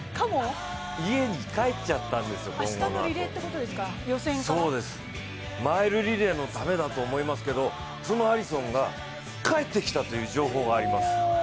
家に帰っちゃったんですよ、混合のあとマイルリレーのためだと思いますけど、そのアリソンが帰ってきたという情報があります。